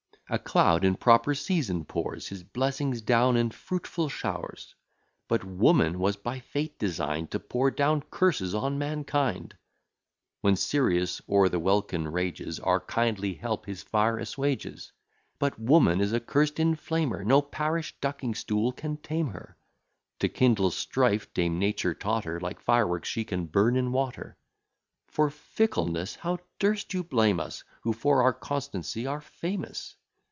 A cloud in proper season pours His blessings down in fruitful showers; But woman was by fate design'd To pour down curses on mankind. When Sirius o'er the welkin rages, Our kindly help his fire assuages; But woman is a cursed inflamer, No parish ducking stool can tame her: To kindle strife, dame Nature taught her; Like fireworks, she can burn in water. For fickleness how durst you blame us, Who for our constancy are famous?